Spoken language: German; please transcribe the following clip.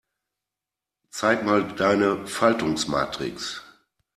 Zeig mal deine Faltungsmatrix.